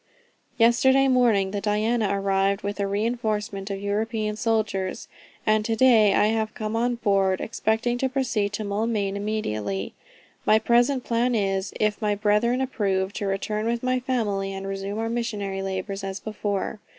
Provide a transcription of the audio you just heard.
"Yesterday morning the Diana arrived with a reinforcement of European soldiers; and to day I have come on board, expecting to proceed to Maulmain immediately. My present plan is, if my brethren approve, to return with my family, and resume our missionary labors as before.